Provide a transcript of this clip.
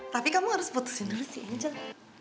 tapi kamu harus putusin dulu sih aja